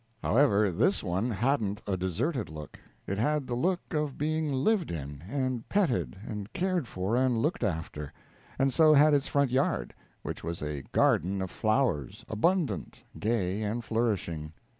However, this one hadn't a deserted look; it had the look of being lived in and petted and cared for and looked after; and so had its front yard, which was a garden of flowers, abundant, gay, and flourishing.